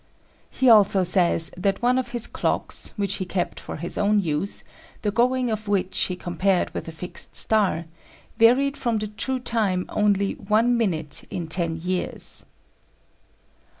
He also says that one of his clocks, which he kept for his own use, the going of which he compared with a fixed star, varied from the true time only one minute in ten years.